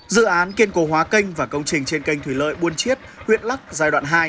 dự án kiên cố hóa kênh và công trình trên kênh thủy lợi buôn chiết huyện lắc giai đoạn hai